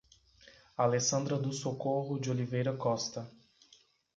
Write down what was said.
Alessandra do Socorro de Oliveira Costa